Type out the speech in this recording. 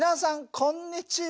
こんにちは。